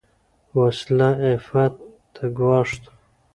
وسله عفت ته ګواښ ده